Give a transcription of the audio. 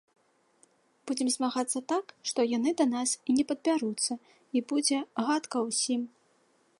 Будзем змагацца так, што яны да нас і не падбяруцца, і будзе гадка ўсім.